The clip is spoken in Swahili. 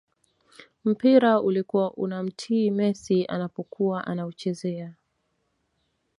mpira ulikuwa unamtii messi anapokuwa anauchezea